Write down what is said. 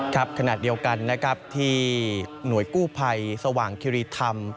ครับขณะเดียวกันนะครับที่หน่วยกู้ภัยสว่างคิริธรรม